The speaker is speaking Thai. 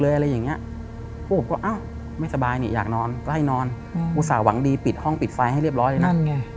อเรนนี่ตอนนี้อุตส่าห์หวังดีปิดห้องปิดไฟให้เรียบร้อยนะ